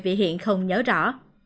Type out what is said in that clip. vì hiện không nhớ rõ